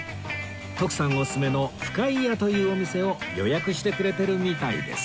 徳さんオススメの深井屋というお店を予約してくれてるみたいです